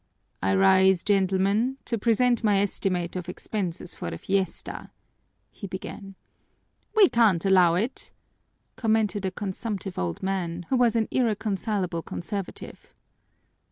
"I rise, gentlemen, to present my estimate of expenses for the fiesta," he began. "We can't allow it," commented a consumptive old man, who was an irreconcilable conservative.